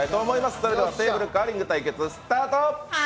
それではテーブルカーリング対決スタート！